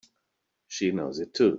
She knows it too!